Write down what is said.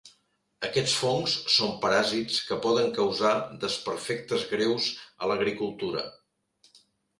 Aquests fongs són paràsits que poden causar desperfectes greus a l'agricultura.